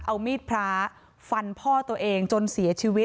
เอามีดพระฟันพ่อตัวเองจนเสียชีวิต